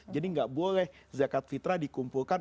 jadi gak boleh zakat fitrah dikumpulkan